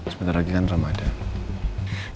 sebentar lagi kan ramadhan